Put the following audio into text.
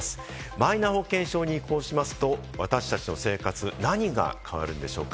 マイナ保険証に移行しますと、私達の生活、何が変わるんでしょうか？